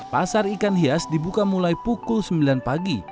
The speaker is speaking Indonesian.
pasar ikan hias dibuka mulai pukul sembilan pagi